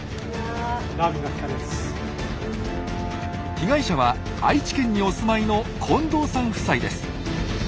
被害者は愛知県にお住まいの近藤さん夫妻です。